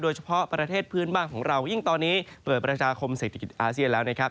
ประเทศพื้นบ้านของเรายิ่งตอนนี้เปิดประชาคมเศรษฐกิจอาเซียนแล้วนะครับ